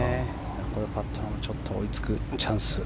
これはパットナムは追いつくチャンス。